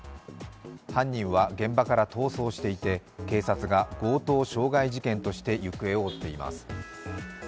犯人は現場から逃走していて、警察が強盗傷害事件として行方を追っています。